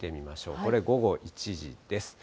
これ、午後１時です。